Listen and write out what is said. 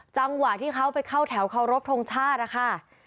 จังหวะที่เขาไปเข้าแถวเคารพทงชาตินะคะ